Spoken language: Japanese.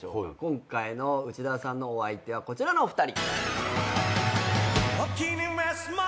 今回の内田さんのお相手はこちらのお二人。